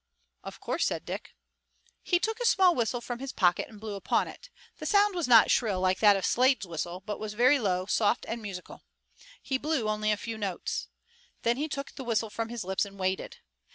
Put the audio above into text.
"Of course," said Dick. He took a small whistle from his pocket and blew upon it. The sound was not shrill like that of Slade's whistle, but was very low, soft and musical. He blew only a few notes. Then he took the whistle from his lips and waited.